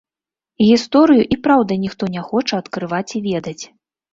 Гісторыю і праўду ніхто не хоча адкрываць і ведаць.